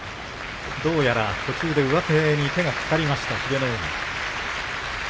どうやら途中で上手に手が掛かりました、英乃海。